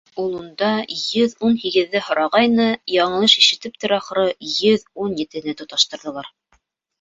Ул унда йөҙ ун һигеҙҙе һорағайны, яңылыш ишетептер ахры, йөҙ ун етене тоташтырҙылар.